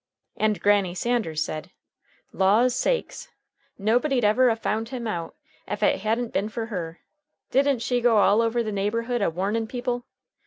And Granny Sanders said, Law's sakes! nobody'd ever a found him out ef it hadn't been fer her. Didn't she go all over the neighborhood a warnin' people?